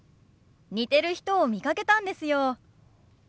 似てる人を見かけたんですよ。